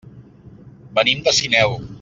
Venim de Sineu.